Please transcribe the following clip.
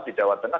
di jawa tengah